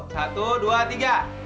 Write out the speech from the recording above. satu dua tiga